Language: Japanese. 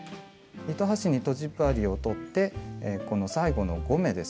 糸端にとじ針をとってこの最後の５目ですね。